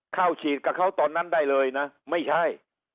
เข้าฉีดกับเขาตอนนั้นได้เลยนะไม่ใช่